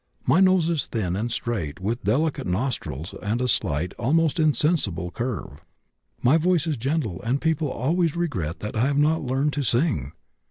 My nose is thin and straight, with delicate nostrils and a slight, almost insensible curve. My voice is gentle, and people always regret that I have not learned to sing."